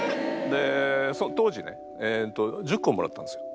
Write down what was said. で当時ね１０こもらったんですよ。